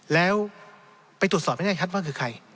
แล้วไปตรวจสอบให้แน่ชัดว่าคือใคร